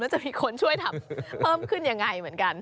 จะมีคนช่วยทำเพิ่มขึ้นยังไงเหมือนกัน